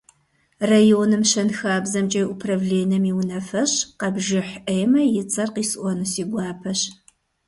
Районым щэнхабзэмкӀэ и управленэм и унафэщӀ Къэбжыхь Эммэ и цӀэр къисӀуэну си гуапэщ.